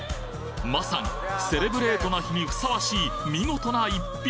まさに、セレブレートな日にふさわしい、見事な逸品。